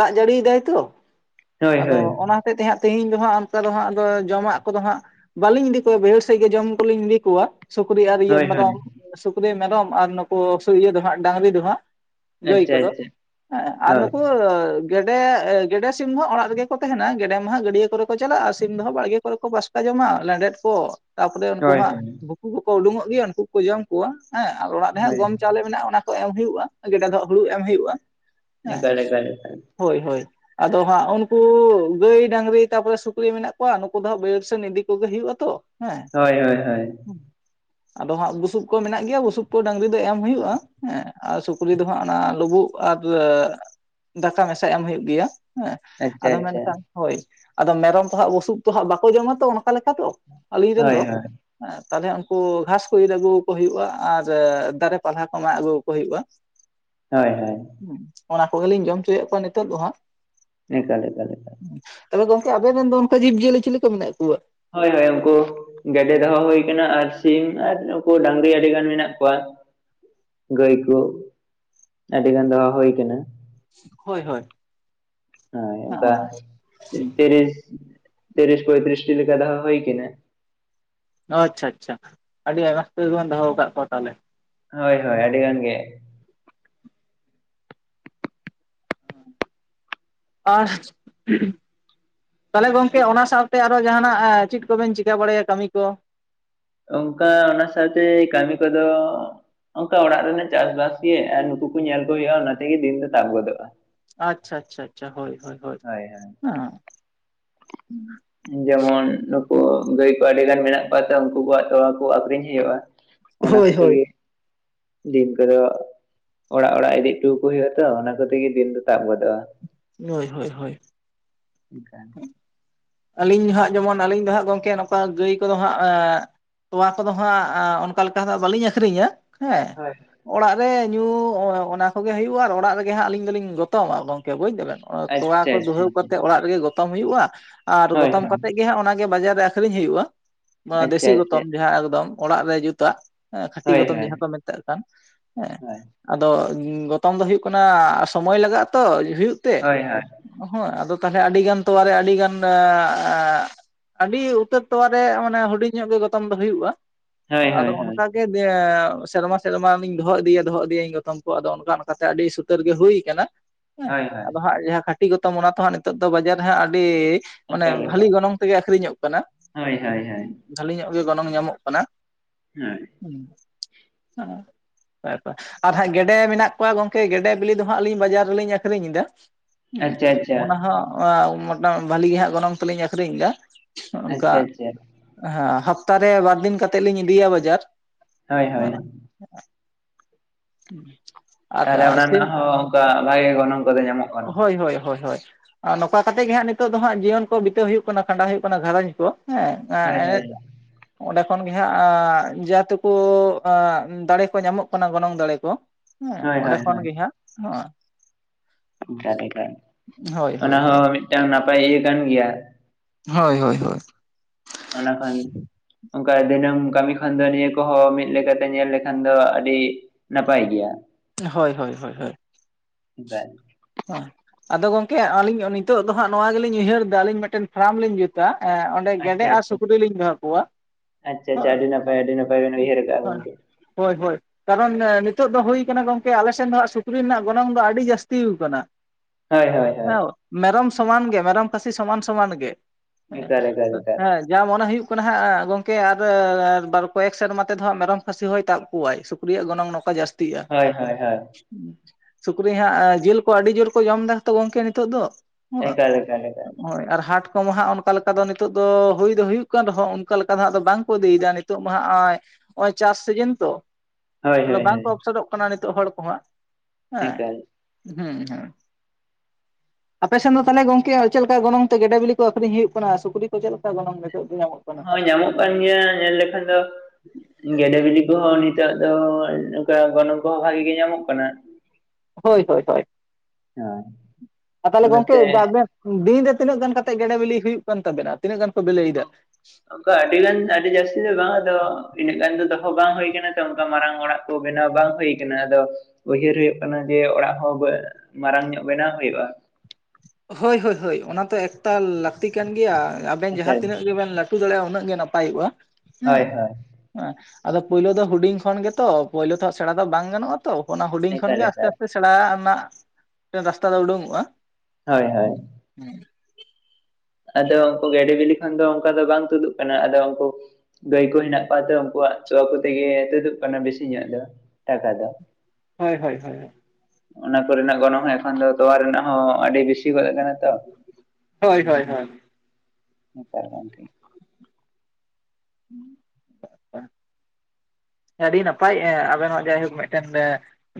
S2: ᱫᱟᱜ ᱡᱟᱹᱲᱤᱭ ᱮᱫᱟᱭ ᱛᱚᱼᱼ
S1: ᱦᱳᱭ
S2: ᱟᱫᱚ
S1: ᱦᱳᱭ
S2: ᱚᱱᱟ ᱦᱚᱛᱮᱡ ᱛᱮᱦᱟᱸᱜ ᱛᱮᱦᱤᱧ ᱫᱚ ᱦᱟᱸᱜ ᱚᱱᱠᱟ ᱫᱚ ᱦᱟᱸᱜ ᱟᱫᱚ ᱡᱚᱢᱟᱜ ᱠᱚ ᱫᱚ ᱦᱟᱸᱜ ᱵᱟᱹᱞᱤᱧ ᱤᱫᱤ ᱠᱚᱣᱟ ᱵᱟᱹᱭᱦᱟᱹᱲ ᱥᱮᱫ ᱜᱮ ᱡᱚᱢ ᱠᱚᱞᱤᱧ ᱤᱫᱤ ᱠᱚᱣᱟ᱾ ᱥᱩᱠᱨᱤ ᱟᱨ ᱤᱭᱟᱹ
S1: ᱦᱳᱭ ᱦᱳᱭ
S2: ᱢᱮᱨᱚᱢ ᱥᱩᱠᱨᱤ ᱢᱮᱨᱚᱢ ᱟᱨ ᱱᱩᱠᱩ ᱤᱭᱟᱹ ᱫᱚ ᱦᱟᱸᱜ ᱰᱟᱝᱨᱤ ᱫᱚ ᱦᱟᱸᱜ᱾ ᱜᱟᱹᱭ ᱠᱚ
S1: ᱟᱪᱪᱷᱟ
S2: ᱫᱚ
S1: ᱟᱪᱪᱷᱟ
S2: ᱦᱮᱸ ᱟᱨ
S1: ᱦᱳᱭ
S2: ᱱᱩᱠᱩ ᱜᱮᱰᱮ ᱜᱮᱰᱮ ᱥᱤ- -ᱢ ᱦᱚᱸ ᱚᱲᱟᱜ ᱨᱮᱜᱮ ᱠᱚ ᱛᱟᱦᱮᱱᱟ ᱜᱮᱰᱮ ᱢᱟ ᱦᱟᱸᱜ ᱜᱟᱹᱰᱭᱟᱹ ᱠᱚᱨᱮ ᱠᱚ ᱪᱟᱞᱟᱜᱼᱟ ᱥᱤᱢ ᱫᱚ ᱵᱟᱲᱜᱮ ᱠᱚᱨᱮ ᱠᱚ ᱯᱟᱥᱠᱟ ᱡᱚᱢᱟ ᱞᱮᱸᱰᱮᱫ ᱠᱚ᱾ ᱛᱟᱯᱚᱨᱮ ᱩᱱᱠᱩ
S1: ᱦᱳᱭ
S2: ᱦᱟᱸᱜ
S1: ᱦᱳᱭ
S2: ᱵᱩᱠᱩ ᱠᱚᱠᱚ ᱩᱰᱩᱝᱚᱜ ᱜᱮᱭᱟ ᱩᱱᱠᱩ ᱠᱚᱠᱚ ᱡᱚᱢ ᱠᱚᱣᱟ᱾ ᱦᱮᱸ ᱟᱨ ᱚᱲᱟᱜ ᱨᱮ ᱦᱟᱸᱜ
S1: ᱦᱳᱭ
S2: ᱜᱚᱢ ᱪᱟᱣᱞᱮ ᱢᱮᱱᱟᱜᱼᱟ ᱚᱱᱟᱠᱚ ᱮᱢ ᱦᱩᱭᱩᱜᱼᱟ ᱜᱮᱰᱮ ᱫᱚ ᱦᱟᱸᱜ ᱦᱩᱲᱩ ᱮᱢ ᱦᱩᱭᱩᱜᱼᱟ ᱾ ᱦᱮᱸ
S1: ᱮᱠᱟᱞ ᱮᱠᱟᱞ ᱮᱠᱟᱞ
S2: ᱦᱳᱭ ᱦᱳᱭ। ᱛᱚ ᱦᱟᱸᱜ ᱩᱱᱠᱩ ᱜᱟᱹᱭ ᱰᱟᱝᱨᱤ ᱛᱟᱯᱚᱨᱮ ᱥᱩᱠᱨᱤ ᱢᱮᱱᱟᱜ ᱠᱚᱣᱟ ᱱᱩᱠᱩ ᱫᱚ ᱦᱟᱸᱜ ᱵᱟᱹᱭᱦᱟᱹᱲ ᱥᱮᱱ ᱤᱫᱤ ᱠᱚᱜᱮ ᱦᱩᱭᱩᱜᱼᱟ ᱛᱚ। ᱦᱮᱸ।
S1: ᱦᱳᱭ ᱦᱳᱭ ᱦᱳᱭ
S2: ᱟᱫᱚ ᱦᱟᱸᱜ ᱵᱩᱥᱩᱵ ᱠᱚ ᱢᱮᱱᱟᱜ ᱜᱮᱭᱟ ᱵᱩᱥᱩᱵ ᱠᱚ ᱰᱟᱝᱨᱤ ᱫᱚ ᱮᱢ ᱦᱩᱭᱩᱜᱼᱟ ᱦᱮᱸ ᱟᱨ ᱥᱩᱠᱨᱤ ᱫᱚ ᱦᱟᱸᱜ ᱚᱱᱟ ᱞᱩᱵᱩᱜ ᱟᱨ ᱫᱟᱠᱟ ᱢᱮᱥᱟ ᱮᱢ ᱦᱩᱭᱩᱜ ᱜᱮᱭᱟ ᱦᱮᱸ
S1: ᱟᱪᱪᱷᱟ
S2: ᱟᱫᱚ
S1: ᱟᱪᱪᱷᱟ
S2: ᱢᱮᱱᱠᱷᱟᱱ ᱦᱳᱭ ᱟᱫᱚ ᱢᱮᱨᱚᱢ ᱛᱚ ᱦᱟᱸᱜ ᱵᱩᱥᱩᱵ ᱛᱚ ᱦᱟᱸᱜ ᱵᱟᱠᱚ ᱡᱚᱢᱟ ᱛᱚ ᱚᱱᱠᱟ ᱞᱮᱠᱟ ᱛᱚ। ᱟᱹᱞᱤᱧ ᱨᱮᱱ
S1: ᱦᱳᱭ
S2: ᱫᱚ
S1: ᱦᱳᱭ
S2: ᱮᱸ ᱛᱟᱞᱦᱮ ᱩᱱᱠᱩ ᱜᱷᱟᱥ ᱠᱚ ᱤᱨ ᱟᱹᱜᱩ ᱟᱠᱚ ᱦᱩᱭᱩᱜᱼᱟ ᱟᱨ ᱫᱟᱨᱮ ᱯᱟᱞᱦᱟ ᱠᱚ ᱢᱟᱜ ᱟᱹᱜᱩᱣ ᱟᱠᱚ ᱦᱩᱭᱩᱜᱼᱟ। (inaudible)
S1: ᱦᱳᱭ ᱦᱳᱭ।
S2: ᱦᱩᱸ ᱚᱱᱟ ᱠᱚᱜᱮᱞᱤᱧ ᱡᱚᱢ ᱦᱚᱪᱚᱭᱮᱫ ᱠᱚᱣᱟ ᱱᱤᱛᱚᱜ ᱫᱚ ᱦᱟᱸᱜ।
S1: ᱮᱠᱟᱞ ᱮᱠᱟᱞ ᱮᱠᱟᱞ।
S2: ᱛᱟᱵᱮ ᱜᱚᱝᱠᱮ ᱟᱵᱮᱱ ᱨᱮᱱ ᱫᱚ ᱚᱱᱠᱟ ᱡᱤᱵᱽ ᱡᱤᱭᱟᱹᱞᱤ ᱪᱤᱞᱤ ᱠᱚ ᱢᱮᱱᱟᱜ ᱠᱚᱣᱟ?
S1: ᱦᱳᱭ ᱦᱳᱭ ᱩᱱᱠᱩᱼᱼ ᱜᱮᱰᱮ ᱫᱚᱦᱚ ᱦᱩᱭ ᱟᱠᱟᱱᱟ ᱟᱨ ᱥᱤᱢ ᱟᱨ ᱱᱩᱠᱩ ᱰᱟᱝᱨᱤ ᱟᱹᱰᱤᱜᱟᱱ ᱢᱮᱱᱟᱜ ᱠᱚᱣᱟ। ᱜᱟᱹᱭ ᱠᱚ ᱟᱹᱰᱤ ᱜᱟᱱ ᱫᱚᱦᱚ ᱦᱩᱭ ᱠᱟᱱᱟ।
S2: ᱦᱳᱭ ᱦᱳᱭ
S1: ᱦᱚᱭ ᱚᱱᱠᱟ ᱛᱤᱨᱤᱥᱼᱼ ᱛᱤᱨᱤᱥ ᱯᱚᱸᱭᱛᱨᱤᱥ ᱴᱤ ᱞᱮᱠᱟ ᱫᱚᱦᱚ ᱦᱩᱭ ᱠᱟᱱᱟ।
S2: ᱚ ᱟᱪᱪᱷᱟ ᱟᱪᱪᱷᱟ ᱟᱹᱰᱤ ᱟᱭᱢᱟ ᱩᱥᱛᱟᱹᱨ ᱜᱮ ᱵᱮᱱ ᱫᱚᱦᱚ ᱟᱠᱟᱫ ᱠᱚᱣᱟ ᱛᱟᱞᱦᱮ।
S1: ᱦᱳᱭ ᱦᱳᱭ ᱟᱹᱰᱤ ᱜᱟᱱ ᱜᱮ।
S2: ᱟ ᱛᱟᱦᱚᱞᱮ ᱜᱚᱝᱠᱮ ᱚᱱᱟ ᱥᱟᱶᱛᱮ ᱟᱨᱚ ᱡᱟᱦᱟᱱᱟᱜ ᱮᱸ ᱪᱮᱫ ᱠᱚᱵᱮᱱ ᱪᱤᱠᱟ ᱵᱟᱲᱟᱭᱟ ᱠᱟᱹᱢᱤ ᱠᱚ?
S1: ᱚᱱᱠᱟ ᱚᱱᱟ ᱥᱟᱶᱛᱮ ᱠᱟᱹᱢᱤ ᱠᱚᱫᱚᱼᱼ ᱚᱱᱠᱟ ᱚᱲᱟᱜ ᱨᱮᱱᱟᱜ ᱪᱟᱥᱵᱟᱥ ᱜᱮ ᱟᱨ ᱱᱩᱠᱩ ᱠᱚ ᱧᱮᱞ ᱠᱚ ᱦᱩᱭᱩᱜᱼᱟ ᱚᱱᱟ ᱛᱮᱜᱮ ᱫᱤᱱ ᱫᱚ ᱛᱟᱵ ᱜᱚᱫᱚᱜᱼᱟ।
S2: ᱟᱪᱪᱷᱟ ᱟᱪᱪᱷᱟ ᱟᱪᱪᱷᱟ ᱦᱳᱭ ᱦᱳᱭ।
S1: ᱦᱳᱭ ᱦᱳᱭ। ᱡᱮᱢᱚᱱᱼᱼ ᱠᱚ ᱜᱟᱹᱭ ᱠᱚ ᱟᱹᱰᱤ ᱜᱟᱱ ᱢᱮᱱᱟᱜ ᱠᱚᱣᱟ ᱛᱚ ᱩᱱᱠᱩ ᱠᱚᱣᱟᱜ ᱛᱚᱣᱟ ᱠᱚ ᱟᱠᱷᱨᱤᱧ ᱦᱩᱭᱩᱜᱼᱟ ᱚᱱᱟ
S2: ᱦᱳᱭ
S1: ᱠᱚᱛᱮ
S2: ᱦᱳᱭ
S1: ᱜᱮᱼᱼ ᱫᱤᱱ ᱠᱚᱫᱚ ᱚᱲᱟᱜ ᱚᱲᱟᱜ ᱤᱫᱤ ᱦᱚᱴᱚ ᱟᱠᱩ ᱦᱩᱭᱩᱜᱼᱟ ᱛᱚ ᱚᱱᱟ ᱠᱚᱛᱮᱜᱮ ᱫᱤᱱ ᱫᱚ ᱛᱟᱵ ᱜᱚᱫᱚᱜᱼᱟ।
S2: ᱦᱳᱭ ᱦᱳᱭ ᱦᱳᱭ।
S1: ᱚᱱᱠᱟ
S2: ᱟᱹᱞᱤᱧ ᱦᱟᱸᱜ ᱡᱮᱢᱚᱱ ᱟᱹᱞᱤᱧ ᱫᱚ ᱦᱟᱸᱜ ᱜᱚᱝᱠᱮ ᱱᱚᱝᱠᱟ ᱜᱟᱹᱭ ᱠᱚᱫᱚ ᱦᱟᱸᱜ ᱮᱸᱻ ᱛᱚᱣᱟ ᱠᱚᱫᱚ ᱦᱟᱸᱜ ᱟᱸ ᱚᱱᱠᱟ ᱞᱮᱠᱟ ᱫᱚ ᱵᱟᱹᱞᱤᱧ ᱟᱠᱷᱨᱤᱧᱟ ᱦᱮᱸᱼᱼ
S1: ᱦᱳᱭ।
S2: ᱚᱲᱟᱜ ᱨᱮ ᱧᱩ ᱚᱱᱟ ᱠᱚᱜᱮ ᱦᱩᱭᱩᱜᱼᱟ ᱟᱨ ᱚᱲᱟᱜ ᱨᱮᱜᱮ ᱦᱟᱸᱜ ᱟᱹᱞᱤᱧ ᱫᱚᱞᱤᱧ ᱜᱚᱛᱚᱢᱟ ᱜᱚᱝᱠᱮ ᱵᱩᱡ ᱫᱟᱵᱮᱱ। ᱛᱚᱣᱟ
S1: ᱟᱪᱪᱷᱟ
S2: ᱠᱚ
S1: ᱟᱪᱪᱷᱟ
S2: ᱫᱩᱦᱟᱹᱣ
S1: ᱟᱪᱪᱷᱟ
S2: ᱠᱟᱛᱮ ᱚᱲᱟᱜᱼᱼ ᱜᱮ ᱜᱚᱛᱚᱢ ᱦᱩᱭᱩᱜᱼᱟ ᱟᱨ
S1: ᱦᱳᱭ
S2: ᱜᱚᱛᱚᱢ
S1: ᱦᱳᱭ
S2: ᱠᱟᱛᱮᱫ ᱜᱮ ᱦᱟᱸᱜ ᱚᱱᱟᱜᱮ ᱵᱟᱡᱟᱨ ᱨᱮ ᱟᱹᱠᱷᱨᱤᱧ ᱦᱩᱭᱩᱜᱼᱟ।
S1: ᱟᱪᱪᱷᱟ
S2: ᱫᱮᱥᱤ ᱜᱚᱛᱚᱢ
S1: ᱟᱪᱪᱷᱟ
S2: ᱡᱟᱦᱟᱸ ᱮᱠᱫᱚᱢ ᱚᱲᱟᱜ ᱨᱮ ᱡᱩᱛᱟᱜ ᱠᱷᱟᱹᱴᱤ
S1: ᱦᱳᱭ
S2: ᱜᱚᱛᱚᱢ
S1: ᱦᱳᱭ
S2: ᱡᱟᱦᱟᱸ ᱠᱚ ᱢᱮᱛᱟᱜ ᱠᱟᱱ
S1: ᱦᱳᱭ
S2: ᱦᱮᱸ। ᱟᱫᱚ ᱜᱚᱛᱚᱢ ᱫᱚ ᱦᱩᱭᱩᱜ ᱠᱟᱱᱟ ᱥᱚᱢᱚᱭ ᱞᱟᱜᱟᱜ ᱟᱛᱚ ᱦᱩᱭᱩᱜ ᱛᱮᱼᱼ
S1: ᱦᱳᱭ ᱦᱳᱭ
S2: ᱦᱳᱭ ᱟᱫᱚ ᱛᱟᱞᱦᱮ ᱟᱹᱰᱤ ᱜᱟᱱ ᱛᱚᱣᱟ ᱨᱮ ᱟᱹᱰᱤ ᱜᱟᱱ ᱟᱻ ᱟᱹᱰᱤ ᱩᱛᱟᱹᱨ ᱛᱚᱣᱟᱨᱮ ᱢᱟᱱᱮ ᱦᱩᱰᱤᱧ ᱧᱚᱜ ᱜᱮ ᱜᱚᱛᱚᱢ ᱫᱚ ᱦᱩᱭᱩᱜᱼᱟ
S1: ᱦᱳᱭ
S2: ᱟᱫᱚ
S1: ᱦᱳᱭ ᱦᱳᱭ
S2: ᱚᱱᱠᱟᱼᱼ ᱜᱮ ᱮᱻ ᱥᱮᱨᱢᱟ ᱥᱮᱨᱢᱟ ᱞᱤᱧ ᱫᱚᱦᱚ ᱤᱫᱤᱭᱟ ᱫᱚᱦᱚ ᱤᱫᱤᱭᱟᱹᱧ ᱜᱚᱛᱚᱢ ᱠᱚ ᱟᱫᱚ ᱚᱱᱠᱟ ᱚᱱᱠᱟᱛᱮ ᱟᱹᱰᱤᱼᱼ ᱩᱛᱟᱹᱨ ᱜᱮ ᱦᱩᱭ ᱠᱟᱱᱟ ᱦᱮᱸ
S1: ᱦᱳᱭ ᱦᱳᱭ
S2: ᱟᱫᱚ ᱦᱟᱸᱜ ᱡᱟᱸᱦᱟ ᱠᱷᱟᱴᱤ ᱜᱚᱛᱚᱢ ᱚᱱᱟ ᱛᱚ ᱦᱟᱸᱜ ᱱᱤᱛᱚᱜ ᱫᱚ ᱵᱟᱡᱟᱨ ᱨᱮ ᱦᱟᱸᱜ ᱟᱰᱤ᱾ ᱢᱟᱱᱮ
S1: ᱮᱠᱟᱞ
S2: ᱵᱷᱟᱞᱤ
S1: ᱮᱠᱟᱞ
S2: ᱜᱚᱱᱚᱝ ᱛᱮᱜᱮ ᱟᱠᱷᱨᱤᱧᱚᱜ ᱠᱟᱱᱟ
S1: ᱦᱳᱭ ᱦᱳᱭ ᱦᱳᱭ
S2: ᱵᱷᱟᱞᱤ ᱧᱚᱜ ᱜᱮ ᱜᱚᱱᱚᱝ ᱧᱟᱢᱚᱜ ᱠᱟᱱᱟ᱾
S1: ᱦᱟᱹᱭ᱾
S2: ᱦᱩᱸ᱾ (unintelligible) ᱟᱨ ᱦᱮᱸ ᱜᱮᱰᱮ ᱢᱮᱱᱟᱜ ᱠᱚᱣᱟ ᱜᱚᱝᱠᱮ ᱜᱮᱰᱮ ᱵᱤᱞᱤ ᱫᱚ ᱦᱟᱸᱜ ᱞᱤᱧ ᱵᱟᱡᱟᱨ ᱨᱮᱞᱤᱧ ᱟᱹᱷᱨᱤᱧ ᱮᱫᱟ᱾ ᱦᱩᱸ
S1: ᱟᱪᱪᱷᱟ ᱟᱪᱪᱷᱟ
S2: ᱚᱱᱟ ᱦᱚᱸ ᱟᱸ ᱢᱚᱴᱟᱢ ᱵᱷᱟᱹᱞᱤ ᱜᱮ ᱦᱟᱸᱜ ᱜᱚᱱᱚᱝ ᱛᱮᱞᱤᱧ ᱟᱠᱷᱨᱤᱧ ᱮᱫᱟ᱾ ᱚᱱᱠᱟ
S1: ᱟᱪᱪᱷᱟ ᱟᱪᱪᱷᱟ
S2: ᱦᱮᱸ ᱦᱟᱯᱛᱟᱨᱮ ᱵᱟᱨᱫᱤᱱ ᱠᱟᱛᱮᱫ ᱞᱤᱧ ᱤᱫᱤᱭᱟ ᱵᱟᱡᱟᱨ
S1: ᱦᱳᱭ ᱦᱳᱭ
S2: ᱦᱮᱸ ᱦᱮᱸ ᱦᱩᱸ᱾
S1: ᱛᱟᱦᱞᱮ ᱚᱱᱟ ᱨᱮᱱᱟᱜ ᱦᱚᱸ ᱚᱱᱠᱟ ᱵᱷᱟᱜᱮ ᱜᱮ ᱜᱚᱱᱚᱝ ᱠᱚᱫᱚ ᱧᱟᱢᱚᱜ ᱠᱟᱱᱟ
S2: ᱦᱳᱭ ᱦᱳᱭ ᱦᱳᱭ ᱦᱳᱭ ᱟᱨ ᱱᱚᱝᱠᱟ ᱠᱟᱛᱮᱜ ᱜᱮ ᱦᱟᱸᱜ ᱱᱤᱛᱚᱜ ᱫᱚ ᱦᱟᱸᱜ ᱡᱤᱭᱚᱱ ᱠᱚ ᱵᱤᱛᱟᱹᱣ ᱦᱩᱭᱩᱜ ᱠᱟᱱᱟ ᱠᱷᱟᱸᱰᱟᱣ ᱦᱩᱭᱩᱜ ᱠᱟᱱᱟ ᱜᱷᱟᱨᱚᱸᱧᱡᱽ ᱠᱚ ᱦᱮᱸ᱾ ᱟᱸ
S1: ᱦᱳᱭ ᱦᱳᱭ
S2: ᱮᱸᱲᱮᱛᱮᱭᱟᱜ᱾ ᱚᱸᱰᱮ ᱠᱷᱚᱱ ᱜᱮ ᱦᱟᱸᱜ ᱡᱟ ᱛᱩᱠᱩ ᱫᱟᱲᱮ ᱠᱚ ᱧᱟᱢᱚᱜ ᱠᱟᱱᱟ ᱜᱚᱱᱚᱝ ᱫᱟᱲᱮ ᱠᱚ ᱦᱮᱸ
S1: ᱦᱳᱭ
S2: ᱚᱸᱰᱮ
S1: ᱦᱳᱭ
S2: ᱠᱷᱚᱱ
S1: ᱦᱳᱭ
S2: ᱜᱮ ᱦᱟᱸᱜ ᱦᱚᱸ᱾ ᱦᱳᱭ
S1: (unintelligible)
S2: ᱦᱳᱭ
S1: ᱚᱱᱟ
S2: ᱦᱳᱭ
S1: ᱦᱚᱸ ᱢᱤᱜᱴᱟᱝ ᱱᱟᱯᱟᱭ ᱤᱭᱟᱹ ᱠᱟᱱ ᱜᱮᱭᱟ᱾
S2: ᱦᱳᱭ ᱦᱳᱭ ᱦᱳᱭ
S1: ᱚᱱᱟ ᱠᱟᱱ ᱜᱤ᱾ ᱚᱱᱠᱟ ᱫᱤᱱᱟᱹᱢ ᱠᱟᱢᱤ ᱠᱷᱚᱱ ᱫᱚ ᱱᱤᱭᱟᱹ ᱠᱚᱦᱚ ᱢᱤᱫ ᱞᱮᱠᱟᱛᱮ ᱧᱮᱞ ᱞᱮᱠᱷᱟᱱ ᱫᱚ ᱟᱰᱤ᱾ ᱱᱟᱯᱟᱭ ᱜᱮᱭᱟ
S2: ᱦᱳᱭ ᱦᱳᱭ ᱦᱳᱭ ᱦᱳᱭ
S1: ᱚᱱᱠᱟ᱾
S2: ᱟᱫᱚ ᱜᱚᱝᱠᱮ ᱟᱞᱤᱧ ᱱᱤᱛᱚᱜ ᱫᱚ ᱦᱟᱸᱜ ᱱᱚᱣᱟ ᱜᱮᱞᱤᱧ ᱩᱭᱦᱟᱹᱨ ᱮᱫᱟ ᱟᱞᱤᱧ ᱢᱮᱜᱴᱮᱱ ᱯᱷᱟᱨᱟᱢ ᱞᱤᱧ ᱡᱩᱛᱟ ᱮᱸ ᱚᱸᱰᱮ ᱜᱮᱸᱰᱮ ᱟᱨ ᱥᱩᱠᱨᱤᱞᱤᱧ ᱫᱚᱦᱚ ᱠᱚᱣᱟ
S1: ᱟᱪᱼᱪᱷᱟ ᱟᱪᱷᱟ ᱟᱹᱰᱤ ᱱᱟᱯᱟᱭ ᱟᱹᱰᱤ ᱱᱟᱯᱟᱭ ᱵᱮᱱ ᱩᱭᱦᱟᱹᱨ ᱠᱟᱜ-ᱟ
S2: ᱦᱳᱭ
S1: ᱜᱚᱝᱠᱤ᱾
S2: ᱦᱳᱭ ᱦᱳᱭ ᱠᱟᱨᱚᱱ ᱱᱤᱛᱚᱜ ᱫᱚ ᱦᱩᱭ ᱠᱟᱱᱟ ᱜᱚᱝᱠᱮ ᱟᱞᱮ ᱥᱮᱱ ᱫᱚ ᱦᱟᱸᱜ ᱥᱩᱠᱨᱤ ᱨᱮᱱᱟᱜ ᱜᱚᱱᱚᱝ ᱫᱚ ᱟᱰᱤ ᱡᱟᱥᱛᱤᱣ ᱠᱟᱱᱟ᱾
S1: ᱦᱳᱭ ᱦᱳᱭ ᱦᱳᱭ
S2: ᱦᱮᱸ ᱢᱮᱨᱚᱢ ᱥᱚᱢᱟᱱ ᱜᱮ ᱢᱮᱨᱚᱢ ᱠᱷᱟᱹᱥᱤ ᱥᱚᱢᱟᱱ ᱥᱚᱢᱟᱱ ᱜᱮ ᱦᱮᱸ
S1: ᱮᱠᱟᱞ ᱮᱠᱟᱞ ᱮᱠᱟᱞ
S2: ᱦᱟᱹᱭ᱾ ᱡᱟ ᱢᱚᱱᱮ ᱦᱩᱭᱩᱜ ᱠᱟᱱᱟ ᱦᱟᱸᱜ ᱜᱚᱝᱠᱮ ᱟᱨ ᱵᱟᱨ ᱠᱚᱭᱮᱠ ᱥᱮᱨᱢᱟ ᱛᱮᱫᱚ ᱦᱟᱸᱜ ᱢᱮᱨᱚᱢ ᱠᱷᱟᱸᱥᱤ ᱦᱚᱭ ᱛᱟᱵ ᱠᱚᱣᱟᱭ ᱥᱩ ᱠᱨᱤᱭᱟᱜ ᱜᱚᱱᱚᱝ ᱱᱚᱝᱠᱟ ᱡᱟᱥᱛᱤᱜᱼᱟ᱾
S1: ᱦᱳᱭ ᱦᱳᱭ ᱦᱳᱭ
S2: ᱥᱩᱠᱨᱤ ᱦᱟᱸᱜ ᱡᱤᱞ ᱠᱚ ᱟᱹᱰᱤ ᱡᱳᱨ ᱠᱚ ᱡᱚᱢ ᱫᱟ ᱛᱚ ᱜᱚᱝᱠᱮ ᱱᱤᱛᱚᱜ ᱫᱚ᱾
S1: ᱮᱠᱟᱞ ᱮᱠᱟᱞ ᱮᱠᱟᱞ
S2: ᱦᱳᱭ ᱟᱨ ᱦᱟᱴ ᱠᱚᱢᱟ ᱦᱟᱸᱜ ᱚᱱ ᱠᱟ ᱞᱮᱠᱟ ᱫᱚ ᱱᱤᱛᱚᱜ ᱫᱚ ᱦᱳᱭ ᱫᱚ ᱦᱩᱭᱩᱜ ᱠᱟᱱ ᱨᱮᱦᱚᱸ ᱚᱱᱠᱟ ᱞᱮᱠᱟ ᱫᱚ ᱦᱟᱸᱜ ᱟᱫᱚ ᱵᱟᱝᱠᱚ ᱤᱫᱤᱭᱮᱫᱟ ᱱᱤᱛᱚᱜ ᱢᱟ ᱦᱟᱸᱜ ᱚᱸᱭ ᱚᱸᱜ-ᱚᱭ ᱪᱟᱥ ᱥᱮᱡᱮᱱ ᱛᱚ᱾
S1: ᱦᱳᱭ
S2: ᱢᱚᱛᱞᱚᱵ
S1: ᱦᱳᱭ ᱦᱳᱭ
S2: ᱵᱟᱝᱠᱚ ᱚᱯᱥᱚᱫᱚᱜ ᱠᱟᱱᱟ ᱱᱤᱛᱚᱜ ᱦᱚᱲ ᱠᱚ ᱦᱟᱸᱜ
S1: ᱮᱠᱟᱞ
S2: ᱦᱮᱸ᱾ ᱦᱩᱸ ᱦᱩᱸ ᱟᱯᱮ ᱥᱮᱱ ᱫᱚ ᱛᱟᱦᱞᱮ ᱜᱚᱝᱠᱮ ᱪᱮᱜ ᱞᱮᱠᱟ ᱜᱚᱱᱚᱝ ᱛᱮ ᱜᱮᱰᱮ ᱵᱤᱞᱤ ᱠᱚ ᱟᱠᱷᱨᱤᱧ ᱦᱩᱭᱩᱜ ᱠᱟᱱᱟ ᱥᱩᱠᱨᱤ ᱠᱚ ᱪᱮᱜ ᱞᱮᱠᱟ ᱜᱚᱱᱚᱝ ᱠᱟᱛᱮᱜ ᱜᱮ ᱧᱟᱢᱚᱜ ᱠᱟᱱᱟ?
S1: ᱦᱳᱭ ᱧᱟᱢᱚᱜ ᱠᱟᱱ ᱜᱮᱭᱟ ᱧᱮᱞ ᱞᱮᱠᱷᱟᱱ ᱫᱚ ᱜᱮᱰᱮ ᱵᱤᱞᱤ ᱠᱚᱦᱚᱸ ᱱᱤᱛᱚᱜ ᱫᱚ ᱱᱚᱝᱠᱟ ᱜᱚᱱᱚᱝ ᱠᱚᱦᱚᱸ ᱵᱷᱟᱜᱤ ᱜᱮ ᱧᱟᱢᱚᱜ ᱠᱟᱱᱟ
S2: ᱦᱳᱭ ᱦᱳᱭ ᱦᱳᱭ
S1: ᱦᱳᱭ᱾
S2: ᱟᱨ ᱛᱟᱦᱞᱮ ᱜᱚᱝᱠᱮ
S1: ᱚᱱᱟᱛᱮ
S2: ᱫᱟ ᱟᱵᱮᱱ ᱫᱤᱱ ᱨᱮ ᱛᱤᱱᱟᱹᱜ ᱜᱟᱱ ᱠᱟᱛᱮᱜ ᱜᱮᱰᱮ ᱵᱤᱞᱤ ᱦᱩᱭᱩᱜ ᱠᱟᱱ ᱛᱟᱵᱮᱱᱟ ᱛᱤᱱᱟᱹᱜ ᱜᱟᱱ ᱠᱚ ᱵᱮᱞᱮᱭᱫᱟ᱾ (inaudible)
S1: ᱚᱱᱠᱟ ᱟᱹᱰᱤ ᱜᱟᱱ ᱟᱹᱰᱤ ᱡᱟᱹᱥᱛᱤ ᱫᱚ ᱵᱟᱝ ᱟᱫᱚ ᱤᱱᱟᱹᱜ ᱜᱟᱱ ᱫᱚ ᱫᱚᱦᱚ ᱵᱟᱝ ᱦᱩᱭ ᱟᱠᱟᱱᱟ ᱛᱚ ᱚᱱᱠᱟ ᱢᱟᱨᱟᱝ ᱚᱲᱟᱜ ᱠᱚ ᱵᱮᱱᱟᱣ ᱵᱟᱝ ᱦᱩᱭ ᱠᱟᱱᱟ ᱟᱫᱚ ᱩᱭᱦᱟᱹᱨ ᱦᱩᱭᱩᱜ ᱠᱟᱱᱟ ᱡᱮ ᱚᱲᱟᱜ ᱦᱚᱸ ᱵᱟᱹ ᱢᱟᱨᱟᱝ ᱧᱚᱜ ᱵᱮᱱᱟᱣ ᱦᱩᱭᱩᱜᱼᱟ ᱾
S2: ᱦᱳᱭ ᱦᱳᱭ ᱦᱳᱭ ᱚᱱᱟᱛᱚ ᱮᱠᱛᱟ ᱞᱟᱹᱠᱛᱤ ᱠᱟᱱ ᱜᱮᱭᱟ ᱟᱵᱮᱱ ᱡᱟᱦᱟᱸ
S1: ᱦᱮᱸ
S2: ᱛᱤᱱᱟᱹᱜ ᱜᱮᱵᱮᱱ ᱞᱟᱹ ᱴᱩ ᱫᱟᱲᱮᱭᱟᱜᱼᱟ ᱩᱱᱟᱹᱜ ᱜᱮ ᱱᱟᱯᱟᱭᱚᱜᱼᱟ,
S1: ᱦᱳᱭ
S2: ᱦᱮᱸ ᱾
S1: ᱦᱳᱭ
S2: ᱦᱮᱸ, ᱟᱫᱚ ᱯᱩᱭᱞᱳ ᱫᱚ ᱦᱩᱰᱤᱧ ᱠᱷᱚᱱ ᱜᱮᱛᱚ ᱯᱳᱭᱞᱳ ᱛᱚ ᱦᱟᱜ ᱥᱮᱬᱟ ᱫᱚ ᱵᱟᱝ ᱜᱟᱱᱚᱜᱼᱟ ᱛᱚ ᱚᱱᱟ ᱦᱩᱰᱤᱧ ᱠᱷᱚᱱ
S1: ᱮᱠᱟᱞ
S2: ᱜᱮ ᱟᱥᱛᱮ
S1: ᱮᱠᱟᱞ
S2: ᱟᱥᱛᱮ ᱥᱮᱬᱟ ᱨᱮᱱᱟᱜ ᱢᱤᱫᱴᱟᱝ ᱨᱟᱥᱛᱟ ᱫᱚ ᱩᱰᱩᱝᱚᱜᱼᱟ ᱾
S1: ᱦᱳᱭ ᱦᱳᱭ
S2: ᱦᱮᱸ ᱾
S1: ᱟᱫᱚ ᱩᱝᱠᱩ ᱜᱮᱰᱮ ᱵᱤᱞᱤ ᱠᱷᱚᱱ ᱫᱚ ᱚᱝᱠᱟ ᱫᱚ ᱵᱟᱝ ᱛᱩᱫᱩᱜ ᱠᱟᱱᱟ ᱟᱫᱚ ᱳᱝᱠᱳ ᱜᱟᱹᱭ ᱠᱚ ᱦᱮᱱᱟᱜ ᱠᱚᱣᱟ ᱛᱚ ᱩᱝᱠᱩᱣᱟᱜ ᱛᱚᱣᱟ ᱠᱚ ᱛᱮᱜᱮ ᱛᱩᱫᱩᱜ ᱠᱟᱱᱟ ᱵᱮᱥᱤ ᱧᱚᱜ ᱫᱚ ᱾ ᱴᱟᱠᱟ ᱫᱚ ᱾
S2: ᱦᱳᱭ, ᱦᱳᱭ, ᱦᱳᱭ ᱾
S1: ᱚᱱᱟ ᱠᱚᱨᱮᱱᱟᱜ ᱜᱚᱱᱚᱝ ᱦᱚᱸ ᱮᱠᱷᱚᱱ ᱫᱚ ᱛᱚᱣᱟ ᱨᱮᱱᱟᱜ ᱦᱚᱸ ᱟᱹᱰᱤ ᱵᱮᱥᱤ ᱜᱚᱫ ᱟᱠᱟᱱᱟ ᱛᱚ ᱾
S2: ᱦᱳᱭ ᱦᱳᱭ ᱦᱳᱭ ᱾
S1: ᱱᱮᱛᱟᱨ ᱜᱚᱢᱠᱮ ᱦᱩᱸ ᱾
S2: (unintelligible) ᱟᱹᱰᱤ ᱱᱟᱯᱟᱭ ᱮᱸ ᱟᱵᱮᱱᱟᱜ ᱡᱟᱭᱦᱳᱠ ᱢᱤᱫᱴᱮᱱ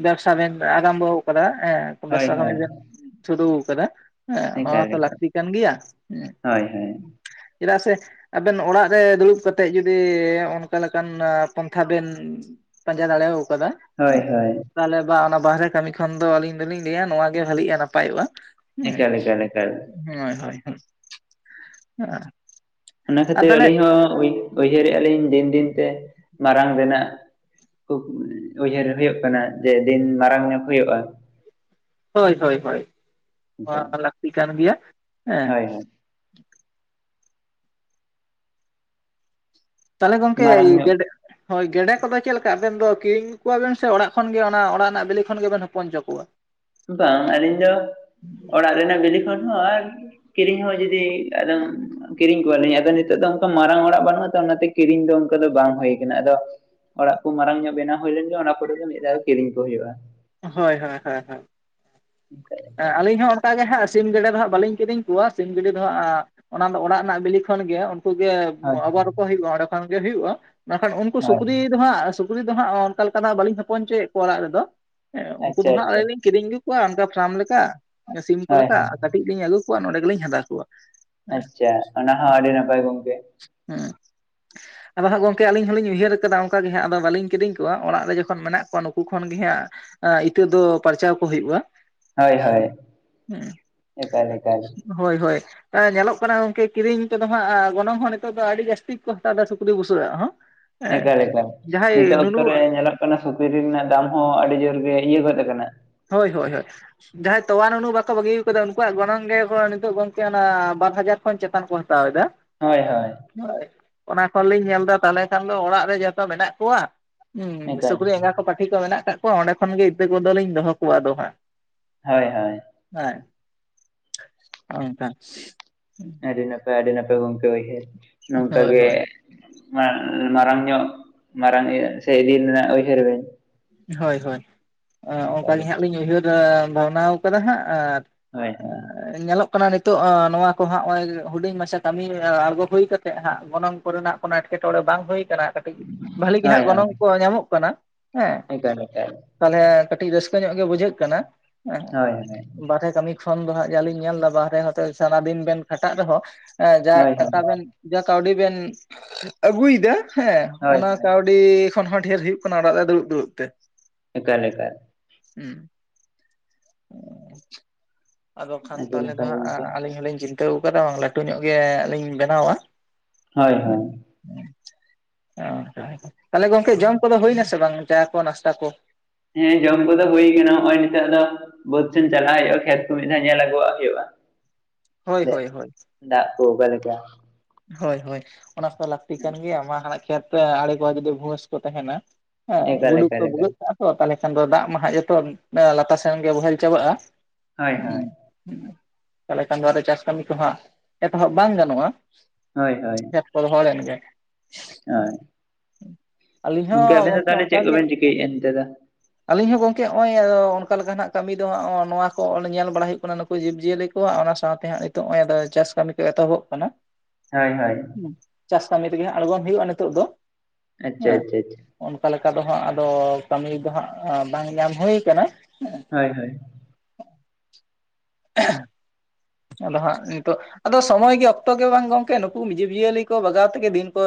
S2: ᱵᱮᱵᱥᱟ ᱵᱮᱱ ᱟᱨᱟᱢᱵᱚ ᱟᱠᱟᱫᱟ ᱦᱮᱸ ᱾
S1: ᱦᱳᱭ
S2: ᱵᱮᱵᱥᱟ ᱠᱟᱹᱢᱤ
S1: ᱦᱳᱭ
S2: ᱵᱮᱱ ᱥᱩᱨᱩ ᱠᱟᱫᱟ ᱾ ᱦᱮᱸ,
S1: ᱮᱠᱟᱞ
S2: ᱱᱚᱣᱟᱛᱚ
S1: ᱮᱠᱟᱞ
S2: ᱞᱟᱹᱠᱛᱤ ᱠᱟᱱ ᱜᱮᱭᱟ, ᱦᱮᱸ
S1: ᱦᱳᱭ ᱦᱳᱭ
S2: ᱾ ᱪᱮᱫᱟᱜ ᱥᱮ ᱟᱵᱮᱱ ᱚᱲᱟᱜ ᱨᱮ ᱫᱩᱲᱩᱵ ᱠᱟᱛᱮᱫ ᱡᱩᱫᱤ ᱚᱱᱠᱟᱞᱮᱠᱟᱱ ᱯᱚᱱ ᱛᱷᱟ ᱵᱮᱱ ᱯᱟᱸᱡᱟ ᱫᱟᱲᱮᱣ ᱠᱟᱫᱟ ᱾
S1: ᱦᱳᱭ, ᱦᱳᱭ ᱾
S2: ᱛᱟᱦᱚᱞᱮ ᱵᱟ ᱚᱱᱟ ᱵᱟᱦᱨᱮ ᱠᱟᱹᱢᱤ ᱠᱷᱚᱱ ᱫᱚ ᱟᱹᱞᱤᱧ ᱫᱚᱞᱤᱧ ᱞᱟᱹᱭᱟ ᱱᱚᱣᱟ ᱜᱮ ᱵᱷᱟᱹᱞᱤᱜᱼᱟ, ᱱᱟᱯᱟᱭᱚᱜᱼᱟ ᱾ ᱦᱮᱸ,
S1: ᱮᱠᱟᱞ ᱮᱠᱟᱞ ᱮᱠᱟᱞ
S2: ᱦᱳᱭ ᱦᱳᱭ ᱦᱳᱭ, ᱦᱮ!
S1: ᱚᱱᱟ ᱠᱷᱟᱹᱛᱤᱨ ᱟᱹᱞᱤᱧ ᱦᱚᱸ ᱩᱭ-ᱩᱭᱦᱟᱹᱨᱮᱜᱼᱟ ᱞᱤᱧ ᱫᱤᱱ ᱫᱤᱱᱛᱮ ᱢᱟᱨᱟᱝᱱᱟᱜ ᱾ ᱠᱷᱩᱵ ᱩᱭᱦᱟᱹᱨ ᱦᱳᱭᱳᱜ ᱠᱟᱱᱟ ᱡᱮ ᱫᱤᱱ ᱢᱟᱨᱟᱝ ᱧᱚᱜ ᱦᱳᱭᱳᱜᱼᱟ ᱾
S2: ᱦᱳᱭ ᱦᱳᱭ ᱦᱳᱭ, ᱱᱚᱣᱟ ᱦᱚᱸ ᱞᱟᱹᱠᱛᱤ ᱠᱟᱱ ᱜᱮᱭᱟ, ᱦᱮᱸ ᱾
S1: ᱦᱳᱭ ᱦᱳᱭ
S2: ᱛᱟᱦᱚᱞᱮ ᱜᱚᱝᱠᱮ
S1: ᱢᱟᱨᱟᱝ ᱧᱚᱜ
S2: ᱜᱮᱰᱮ ᱦᱳᱭ, ᱜᱮᱰᱮ ᱠᱚᱫᱚ ᱪᱮᱫ ᱞᱮᱠᱟ ᱟᱵᱮᱱ ᱫᱚ ᱠᱤᱨᱤᱧ ᱠᱚᱣᱟᱵᱮᱱ ᱥᱮ ᱚᱲᱟᱜ ᱠᱷᱚᱱᱜ ᱜᱮ ᱚᱱᱟ ᱚᱲᱟᱜ ᱨᱮᱱᱟᱜ ᱵᱮᱞᱮ ᱠᱷᱚᱱ ᱜᱮᱵᱮᱱ ᱦᱚᱯᱚᱱᱪᱚ ᱠᱚᱣᱟ?
S1: ᱵᱟᱝ ᱟᱹᱞᱤᱧ ᱫᱚ ᱚᱲᱟᱜ ᱨᱮᱱᱟᱜ ᱵᱤᱞᱤ ᱠᱷᱚᱱ ᱦᱚᱸ ᱟᱨ ᱠᱤᱨᱤᱧ ᱦᱚᱸ ᱡᱩᱫᱤ ᱟᱫᱚᱢ ᱠᱤᱨᱤᱧ ᱠᱚᱣᱟᱞᱤᱧ ᱟᱫᱚ ᱱᱤᱛᱚᱜ ᱫᱚ ᱚᱝᱠᱟ ᱢᱟᱨᱟᱝ ᱚᱲᱟᱜ ᱵᱟᱹᱱᱩᱜᱼᱟ ᱛᱚ ᱚᱱᱟᱛᱮ ᱠᱤᱨᱤᱧ ᱫᱚ ᱚᱱᱠᱟ ᱫᱚ ᱵᱟᱝ ᱦᱩᱭ ᱠᱟᱱᱟ, ᱟᱫᱚ ᱚᱲᱟᱜ ᱠᱚ ᱢᱟᱨᱟᱝ ᱧᱚᱜ ᱵᱮᱱᱟᱣ ᱦᱩᱭ ᱞᱮᱱ ᱜᱮ ᱚᱱᱟ ᱯᱚᱨᱮ ᱫᱚ ᱢᱤᱫ ᱫᱷᱟᱣ ᱠᱤᱨᱤᱧ ᱠᱚ ᱦᱩᱭᱩᱜᱼᱟ ᱾
S2: ᱦᱳᱭ ᱦᱳᱭ ᱦᱳᱭ ᱦᱳᱭ ᱾ ᱦᱮᱸ, ᱟᱹᱞᱤᱧ ᱦᱚᱸ ᱠᱟ ᱜᱮ ᱦᱟᱸᱜ ᱥᱤᱢ ᱜᱮᱰᱮ ᱫᱚ ᱦᱟᱸᱜ ᱵᱟᱹᱞᱤᱧ ᱠᱤᱫᱤᱧ ᱠᱚᱣᱟ ᱥᱤᱢ ᱜᱮᱰᱮ ᱫᱚ ᱦᱟᱸᱜ ᱚᱱᱟ ᱫᱚ ᱚᱲᱟᱜ ᱨᱮᱱᱟᱜ ᱵᱤᱞᱤ ᱠᱷᱚᱱ ᱜᱮ ᱠᱩᱜᱮ
S1: ᱦᱳᱭ
S2: ᱟᱵᱟᱨ ᱠᱚ ᱦᱩᱭᱩᱜᱼᱟ ᱚᱸᱰᱮ ᱠᱷᱟᱱ ᱜᱮ ᱦᱩᱭᱩᱜᱼᱟ ᱢᱮᱱᱠᱷᱟᱱ ᱩᱱᱠᱩ
S1: ᱦᱳᱭ
S2: ᱥᱩᱠᱨᱤ ᱫᱚ ᱦᱟᱸᱜ ᱥᱩᱠᱨᱤ ᱫᱚ ᱦᱟᱸᱜ ᱚᱱᱠᱟ ᱞᱮᱠᱟᱱᱟᱜ ᱵᱟᱹᱞᱤᱧ ᱦᱚᱯᱚᱱ ᱦᱚᱪᱚᱭᱮᱜ ᱠᱚᱭᱟ ᱚᱲᱟᱜ ᱨᱮᱫᱚ, ᱦᱮᱸ ᱩᱱᱠᱩ
S1: ᱟᱪᱪᱷᱟ
S2: ᱫᱚ ᱦᱟᱸᱜ
S1: ᱟᱪᱪᱷᱟ
S2: ᱟᱹᱞᱤᱧ ᱞᱤᱧ ᱠᱤᱨᱤᱧ ᱟᱹᱜᱩ ᱠᱚᱣᱟ ᱚᱱᱠᱟ ᱯᱷᱨᱟᱢ ᱞᱮᱠᱟ ᱥᱤᱢ ᱠᱚ
S1: ᱦᱳᱭ
S2: ᱞᱮᱠᱟ
S1: ᱦᱳᱭ
S2: ᱠᱟᱹᱴᱤᱡ ᱞᱤᱧ ᱟᱹᱜᱩ ᱠᱚᱣᱟ ᱱᱚᱸᱰᱮ ᱜᱮᱞᱤᱧ ᱦᱟᱫᱟ ᱠᱚᱣᱟ ᱾
S1: ᱟᱪᱪᱷᱟ, ᱚᱱᱟ ᱦᱚᱸ ᱟᱹᱰᱤ ᱱᱟᱯᱟᱭ ᱜᱚᱝᱠᱮ ᱾
S2: ᱦᱩᱸ ᱾ ᱟᱫᱚ ᱦᱟᱸᱜ ᱜᱚᱢᱠᱮ ᱟᱹᱞᱤᱧ ᱦᱚᱞᱤᱧ ᱩᱭᱦᱟᱹᱨ ᱠᱟᱫᱟ ᱚᱝᱠᱟ ᱜᱮ ᱦᱟᱸᱜ ᱟᱫᱚ ᱵᱟᱹᱞᱤᱧ ᱠᱤᱫᱤᱧ ᱠᱚᱣᱟ ᱚᱲᱟᱜ ᱨᱮ ᱡᱚᱠᱷᱚᱱ ᱢᱮᱱᱟᱜ ᱠᱚᱣᱟ ᱱᱩᱠᱩ ᱠᱷᱚᱱ ᱜᱮ ᱦᱟᱸᱜ ᱟᱸ ᱤᱛᱟᱹ ᱫᱚ ᱯᱟᱨᱪᱟᱣ ᱠᱚ ᱦᱩᱭᱩᱜᱼᱟ ᱾
S1: ᱦᱳᱭ ᱦᱳᱭ, ᱮᱠᱟᱞ ᱮᱠᱟᱞ ᱾
S2: ᱦᱳᱭ ᱦᱳᱭ, ᱟᱸ ᱧᱮᱞᱚᱜ ᱠᱟᱱᱟ ᱜᱚᱝᱠᱮ ᱠᱤᱨᱤᱧ ᱛᱮᱫᱚ ᱦᱟᱸᱜ ᱜᱚᱱᱚᱝ ᱦᱚᱸ ᱱᱤᱛᱚᱜ ᱫᱚ ᱟᱹᱰᱤ ᱡᱟᱹᱥᱛᱤ ᱠᱚ ᱠᱚᱛᱟᱣᱫᱟ ᱥᱩᱠᱨᱤ ᱵᱩᱥᱩᱟᱜ ᱟᱜ ᱦᱚᱸ ᱾
S1: ᱮᱠᱟᱞ, ᱮᱠᱟᱞ ᱞ ᱱᱤᱛᱚᱜ ᱚᱠᱛᱚ ᱨᱮ ᱧᱮᱞᱚᱜ ᱠᱟᱱᱟ ᱥᱩᱠᱨᱤ ᱨᱮᱱᱟᱜ ᱫᱟᱢ ᱦᱚᱸ ᱟᱹᱰᱤ ᱡᱳᱨ ᱜᱮ ᱤᱭᱟᱹ ᱜᱚᱫ ᱟᱠᱟᱱᱟ ᱾
S2: ᱦᱳᱭ ᱦᱳᱭ ᱦᱳᱭ ᱾ ᱡᱟᱦᱟᱸᱭ ᱛᱚᱣᱟ ᱱᱩᱱᱩ ᱵᱟᱠᱚ ᱵᱟᱹᱜᱤ ᱟᱠᱟᱫᱟ᱾ ᱩᱱᱠᱩᱣᱟᱜ ᱜᱚᱱᱚᱝ ᱜᱮ ᱱᱤᱛᱚᱜ ᱜᱚᱝᱠᱮ ᱚᱱᱟ ᱵᱟᱨ ᱦᱟᱡᱟᱨ ᱠᱷᱚᱱ ᱪᱮᱛᱟᱱ ᱠᱚ ᱦᱟᱛᱟᱣ ᱫᱟ ᱾
S1: ᱦᱳᱭ ᱦᱳᱭ ᱾
S2: ᱦᱳᱭ ᱚᱱᱟ ᱠᱷᱚᱱ ᱞᱤᱧ ᱧᱮᱞ ᱮᱫᱟ ᱛᱟᱦᱚᱞᱮ ᱠᱷᱟᱱ ᱫᱚ ᱚᱲᱟᱜ ᱨᱮ ᱡᱚᱛᱚ ᱢᱮᱱᱟᱜ ᱠᱚᱣᱟ ᱾ ᱦᱮᱸ
S1: ᱮᱠᱟᱞ
S2: ᱥᱩᱠᱨᱤ ᱮᱸᱜᱟ ᱠᱚ ᱯᱟᱹᱴᱷᱤ ᱠᱚ ᱢᱮᱱᱟᱜ ᱠᱟᱜ ᱠᱚᱣᱟ᱾ ᱚᱸᱰᱮ ᱠᱷᱚᱱᱜᱮ ᱤᱛᱟᱹ ᱠᱚᱫᱚᱞᱤᱧ ᱫᱚᱦᱚ ᱠᱚᱣᱟ ᱟᱫᱚ ᱦᱟᱸᱜ ᱾
S1: ᱦᱳᱭ ᱦᱳᱭ ᱾
S2: ᱦᱮᱸ ᱚᱱᱠᱟ
S1: ᱟᱹᱰᱤ ᱱᱟᱯᱟᱭ, ᱟᱹᱰᱤ ᱱᱟᱯᱟᱭ ᱜᱚᱝᱠᱮ ᱩᱭᱦᱟᱹᱨ ᱾ ᱱᱚᱝᱠᱟ
S2: ᱦᱳᱭ
S1: ᱜᱮ
S2: ᱦᱳᱭ
S1: ᱢᱟᱨᱟᱝ ᱧᱚᱜ ᱢᱟᱨᱟᱝ ᱥᱮ ᱤᱫᱤ ᱨᱮᱱᱟᱜ ᱩᱭᱦᱟᱹᱨ ᱵᱮᱱ ᱾
S2: ᱦᱳᱭ ᱦᱳᱭ ᱾ᱚᱱᱠᱟᱟᱜ ᱜᱮ ᱦᱟᱸᱜ ᱞᱤᱧ ᱩᱭᱦᱟᱹᱨ ᱵᱷᱟᱵᱽᱱᱟ ᱟᱠᱟᱫᱟ ᱦᱟᱸᱜ ᱟᱨ
S1: ᱦᱳᱭ ᱦᱳᱭ ᱾
S2: ᱧᱮᱞᱚᱜ ᱠᱟᱱᱟ ᱱᱤᱛᱚᱜ ᱱᱚᱣᱟ ᱠᱚᱦᱟᱸᱜ ᱱᱚᱜᱼᱚᱭ ᱦᱩᱰᱤᱝ ᱢᱟᱪᱷᱟ ᱠᱟᱹᱢᱤ ᱟᱬᱜᱚ ᱦᱩᱭ ᱠᱟᱛᱮᱜ ᱦᱟᱸᱜ ᱜᱚᱱᱚᱝ ᱠᱚᱨᱮᱱᱟᱜ ᱠᱳᱱᱚ ᱮᱴᱠᱮᱴᱚᱬᱮ ᱵᱟᱝ ᱦᱩᱭ ᱟᱠᱟᱱᱟ ᱾ᱠᱟᱹᱴᱤᱡ ᱵᱷᱷᱟᱞᱤ ᱜᱮ
S1: ᱦᱳᱭ
S2: ᱦᱟᱸᱜ
S1: ᱦᱳᱭ
S2: ᱜᱚᱱᱚᱝ ᱠᱚ ᱧᱟᱢᱚᱜ ᱠᱟᱱᱟ ᱦᱮᱸ ᱾
S1: ᱮᱠᱟᱞ, ᱮᱠᱟᱞ
S2: ᱛᱟᱦᱚᱞᱮ ᱠᱟᱹᱴᱤᱡ ᱨᱟᱹᱥᱠᱟᱹ ᱧᱚᱜ ᱜᱮ ᱵᱩᱡᱷᱟᱹᱜ ᱠᱟᱱᱟ ᱾
S1: ᱦᱳᱭ ᱦᱳᱭ ᱾
S2: ᱵᱟᱨᱦᱮ ᱠᱟᱹᱢᱤ ᱠᱷᱚᱱ ᱫᱚ ᱦᱟᱸᱜ ᱡᱟᱞᱤᱧ ᱧᱮᱞ ᱮᱫᱟ ᱵᱟᱨ ᱦᱮ ᱦᱚᱸ ᱛᱮ ᱥᱟᱨᱟ ᱫᱤᱱ ᱵᱮᱱ ᱠᱷᱟᱴᱟᱜ ᱨᱮ ᱦᱚᱸ ᱡᱟ
S1: ᱦᱳᱭ ᱦᱳᱭ
S2: ᱴᱟᱠᱟ ᱵᱮᱱ ᱡᱟ ᱠᱟᱣᱰᱤ ᱵᱮᱱ ᱟᱹᱜᱩ ᱭᱮᱫᱟ ᱦᱮᱸ
S1: ᱦᱳᱭ
S2: ᱚᱱᱟ
S1: ᱦᱳᱭ
S2: ᱠᱟᱹᱣᱰᱤ ᱟᱹᱰᱤ ᱠᱷᱚᱱ ᱦᱚᱸ ᱰᱷᱹᱮᱨ ᱦᱩᱭᱩᱜ ᱠᱟᱱᱟ ᱚᱲᱟᱜ ᱨᱮ ᱫᱩᱲᱩᱵ ᱫᱩᱲᱩᱵ ᱛᱮ ᱾
S1: ᱮᱠᱟᱞ, ᱮᱠᱟᱞ
S2: ᱦᱮᱸ ᱾ ᱟᱫᱚ ᱠᱷᱟᱱ
S1: ᱟᱹᱰᱤ
S2: ᱛᱟᱦᱚᱞᱮ ᱫᱚ
S1: ᱱᱟᱯᱟᱭ
S2: ᱦᱟᱸᱜ
S1: ᱜᱚᱝᱠᱮ
S2: ᱟᱹᱞᱤᱧ ᱦᱚᱞᱤᱧ ᱪᱤᱱᱛᱟᱹᱣ ᱟᱠᱟᱫᱟ ᱵᱟᱝ ᱞᱟᱹᱴᱩ ᱧᱚᱜ ᱜᱮ ᱞᱤᱧ ᱵᱮᱱᱟᱣᱟ ᱾
S1: ᱦᱳᱭ ᱦᱳᱭ
S2: (unintelligible) ᱛᱟᱦᱚᱞᱮ ᱜᱚᱝᱠᱮ ᱡᱚᱢ ᱠᱚ ᱫᱚ ᱦᱩᱭ ᱱᱟ ᱥᱮ ᱵᱟᱝ ᱪᱟ ᱠᱚ ᱱᱟᱥᱛᱟ ᱠᱚ?
S1: ᱦᱮᱸ ᱡᱚᱢ ᱠᱚᱫᱚ ᱦᱩᱭ ᱠᱟᱱᱟ ᱱᱚᱜᱼᱚᱭ ᱱᱤᱛᱚᱜ ᱫᱚ ᱵᱟᱹᱫ ᱥᱮᱱ ᱪᱟᱞᱟᱜ ᱦᱳᱭᱳᱜᱼᱟ, ᱠᱷᱮᱛ ᱠᱚ ᱢᱤᱫ ᱫᱷᱟᱣ ᱧᱮᱞ ᱟᱹᱜᱩᱣᱟᱜ ᱦᱳᱭᱳᱜᱼᱟ ᱾
S2: ᱦᱳᱭ ᱦᱳᱭ ᱦᱳᱭ ᱾
S1: ᱫᱟᱜ ᱠᱚ ᱚᱠᱟ ᱞᱮᱠᱟ?
S2: ᱦᱳᱭ ᱦᱳᱭ ᱚᱱᱟ ᱠᱚᱫᱚ ᱞᱟᱹᱠᱛᱤ ᱠᱟᱱ ᱜᱮᱭᱟ᱾ ᱢᱟ ᱠᱷᱮᱛ ᱨᱮ ᱟᱲᱮ ᱠᱚ ᱡᱩ ᱫᱤ ᱵᱷᱩᱟᱹᱥ ᱠᱚ ᱛᱟᱦᱮᱱᱟ ᱾ ᱦᱮᱸ
S1: ᱮᱠᱟᱞ
S2: ᱜᱩᱰᱩ ᱠᱚ
S1: ᱮᱠᱟᱞ ᱮᱠᱟᱞ
S2: ᱵᱷᱩᱜᱟᱹᱜ ᱠᱟᱜᱼᱟ ᱾ ᱛᱟᱦᱚᱞᱮ ᱠᱷᱟᱱ ᱫᱚ ᱫᱟᱜ ᱢᱟ ᱦᱟᱜ ᱡᱷᱚᱛᱚ ᱞᱟᱛᱟᱨ ᱥᱮᱱ ᱜᱮ ᱵᱚᱦᱮᱞ ᱪᱟᱵᱟᱜᱼᱟ
S1: ᱦᱳᱭ ᱦᱳᱭ
S2: ᱾ ᱛᱟᱦᱚᱞᱮ ᱠᱷᱟᱱ ᱫᱚ ᱟᱫᱚ ᱪᱟᱥ ᱠᱟᱹᱢᱤ ᱠᱚ ᱦᱟᱸᱜ ᱮᱛᱚᱦᱚᱵ ᱵᱟᱝ ᱜᱟᱱᱚᱜᱼᱟ ᱾
S1: ᱦᱳᱭ ᱦᱳᱭ ᱾
S2: ᱠᱷᱮᱛ ᱠᱚ ᱨᱚᱦᱚᱲ ᱮᱱ ᱜᱮ
S1: ᱦᱳᱭ
S2: ᱾ ᱟᱹᱞᱤᱧ ᱦᱚᱸ
S1: ᱟᱵᱮᱱ ᱫᱚ
S2: ᱜᱚᱝᱠᱮ
S1: ᱛᱟᱦᱚᱞᱮ
S2: ᱚᱱᱠᱟ
S1: ᱪᱮᱫ
S2: ᱜᱮ ᱾
S1: ᱠᱚᱵᱮᱱ ᱪᱤᱠᱟᱹᱭᱮᱫᱼᱟ ᱱᱤᱛᱚᱜ ᱫᱚ
S2: ᱟᱹᱞᱤᱧ ᱦᱚᱸ ᱜᱚᱝᱠᱮ ᱱᱚᱜᱼᱚᱭ ᱚᱱᱠᱟ ᱞᱮᱠᱟ ᱱᱟᱜ ᱠᱟᱹᱢᱤ ᱫᱚᱜ ᱱᱚᱣᱟ ᱠᱚ ᱧᱮᱞ ᱵᱟᱲᱟ ᱦᱩᱭᱩᱜ ᱠᱟᱱᱟ ᱱᱩᱠᱩ ᱡᱤᱵᱽᱼᱡᱤᱭᱟᱹᱞᱤ ᱚᱱᱟ ᱥᱟᱶ ᱛᱮ ᱦᱟᱸᱜ ᱱᱤᱛᱚᱜ ᱱᱚᱜ ᱪᱟᱥ ᱠᱟᱹᱢᱤ ᱠᱚ ᱮᱛᱦᱚᱵ ᱠᱟᱱᱟ ᱾
S1: ᱦᱳᱭ ᱦᱳᱭ ᱾
S2: ᱪᱟᱥ ᱠᱟᱹᱢᱤ ᱨᱮᱜᱮ ᱟᱬᱜᱚᱱ ᱦᱳᱭᱳᱜᱼᱟ ᱱᱤᱛᱚᱜ ᱫᱚ ᱾
S1: ᱟᱪᱪᱷᱟ ᱟᱪᱪᱷᱟ ᱾
S2: ᱚᱱᱠᱟ ᱞᱮᱠᱟ ᱫᱚ ᱦᱟᱸᱜ ᱟᱫᱚ ᱠᱟᱹᱢᱤ ᱫᱚ ᱦᱟᱸᱜ ᱵᱟᱝ ᱧᱟᱢ ᱦᱩᱭ ᱟᱠᱟᱱᱟ ᱾
S1: ᱦᱳᱭ ᱦᱳᱭ ᱾
S2: (unintelligible) ᱟᱫᱚ ᱦᱟᱸᱜ ᱱᱤᱛᱚᱜ ᱟᱫᱚ ᱥᱚᱢᱚᱭ ᱜᱮ ᱚᱠᱛᱚ ᱜᱮ ᱵᱟᱝ ᱜᱚᱝᱠᱮ ᱱᱩᱠᱩ ᱡᱤᱵᱽᱼᱡᱤᱭᱟᱹᱞᱤ ᱠᱚ ᱵᱟᱜᱟᱣ ᱛᱮ ᱜᱮ ᱫᱤᱱ ᱠᱚ